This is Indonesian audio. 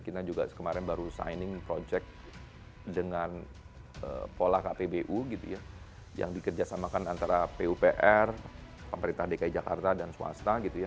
kita juga kemarin baru signing project dengan pola kpbu gitu ya yang dikerjasamakan antara pupr pemerintah dki jakarta dan swasta gitu ya